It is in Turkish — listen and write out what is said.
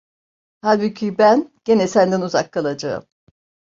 Halbuki ben gene senden uzak kalacağım…